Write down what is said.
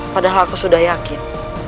padahal aku sudah yakin